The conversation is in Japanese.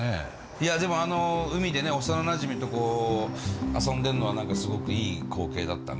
いやでもあの海でね幼なじみと遊んでんのは何かすごくいい光景だったね。